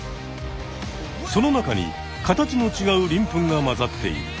その中に形のちがうりん粉が混ざっている。